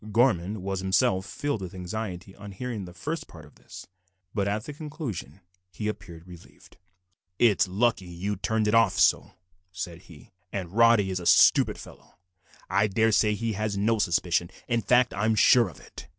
Gorman was himself filled with anxiety on hearing the first part of this, but at the conclusion he appeared relieved. "It's lucky you turned it off so," said he, "and Roddy is a stupid fellow. I daresay he has no suspicion. In fact, I am sure of it."